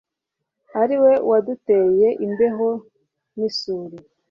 ari we waduteye imbeho n'isuri